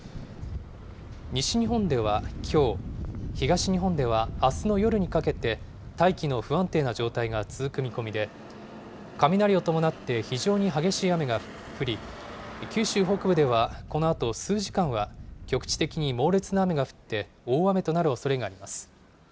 西日本ではきょう、東日本ではあすの夜にかけて、大気の不安定な状態が続く見込みで、雷を伴って非常に激しい雨が降り、九州北部ではこのあと数時間は、局地的に猛烈な雨が降って、大雨となるおそれがあります。